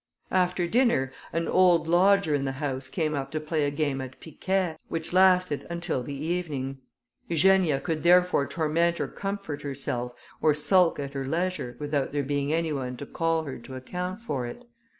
After dinner, an old lodger in the house came up to play a game at piquet, which lasted until the evening. Eugenia could therefore torment or comfort herself, or sulk at her leisure, without there being any one to call her to account for it.